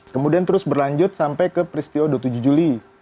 kemudian terus berlanjut sampai ke peristiwa dua puluh tujuh juli